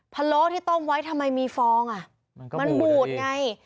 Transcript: ะโล้ที่ต้มไว้ทำไมมีฟองอ่ะมันบูดไง